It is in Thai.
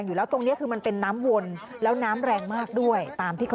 ถูกกระแสน้ำพัดออกจากฝั่งค่ะ